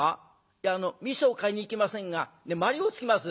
「いやみそは買いに行きませんが鞠をつきます。